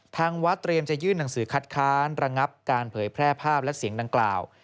ทางวัดเตรียมจะยื่นหนังสือคัดค้านระงับการเผยแพร่ภาพและเสียงดังกล่าว